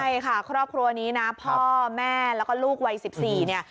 ใช่ค่ะครอบครัวนี้นะพ่อแม่แล้วก็ลูกวัย๑๔เนี่ย